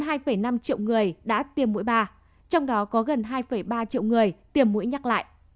hơn hai năm triệu người đã tiêm mũi ba trong đó có gần hai ba triệu người tiêm mũi nhắc lại